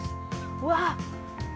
うわっ。